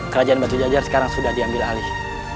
kerajaan batu jajar sekarang sudah diambil alih